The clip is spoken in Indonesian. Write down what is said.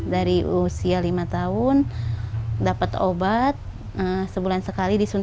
dari usia lima tahun dapat obat sebulan sekali disuntik